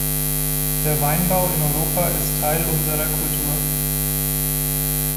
Der Weinbau in Europa ist Teil unserer Kultur.